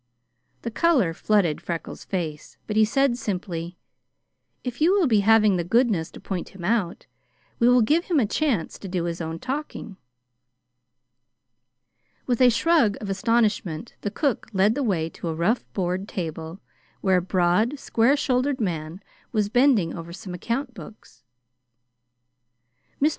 The color flooded Freckles' face, but he said simply: "If you will be having the goodness to point him out, we will give him a chance to do his own talking." With a shrug of astonishment, the cook led the way to a rough board table where a broad, square shouldered man was bending over some account books. "Mr.